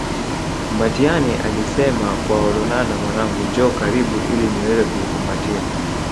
Mbatiany alisema kwa Olonana Mwanangu njoo karibu ili niweze kukukumbatia